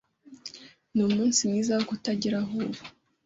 Numunsi mwiza wo kutagira aho uba.